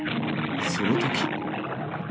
そのとき。